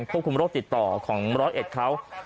ควบคุมรถติดต่อของ๑๐๑เขา